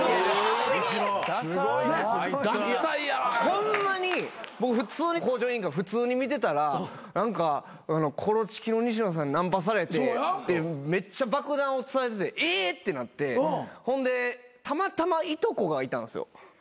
ホンマに『向上委員会』普通に見てたらコロチキの西野さんにナンパされてっていうめっちゃ爆弾落とされててえ！ってなってほんでたまたまいとこがいたんですよ。